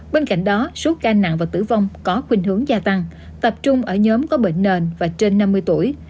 bên cạnh đó số ca nặng và tử vong có quyền hướng gia tăng tập trung ở nhóm có bệnh nền và trên năm mươi tuổi